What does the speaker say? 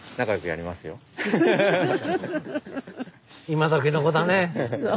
今どきの子だね。